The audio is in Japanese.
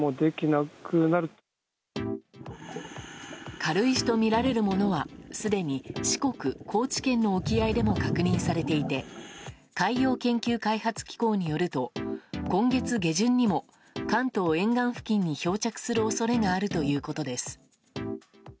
軽石とみられるものはすでに四国・高知県の沖合でも確認されていて海洋研究開発機構によると今月下旬にも関東沿岸付近に漂着する恐れがあるということです。